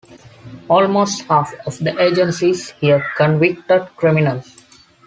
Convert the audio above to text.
Almost half of the agencies hire convicted criminals.